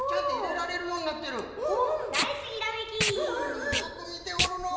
よくみておるのう。